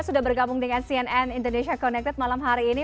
sudah bergabung dengan cnn indonesia connected malam hari ini